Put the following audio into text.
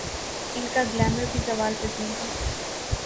ان کا گلیمر بھی زوال پذیر ہے۔